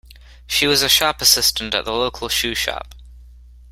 She was a shop assistant at the local shoe shop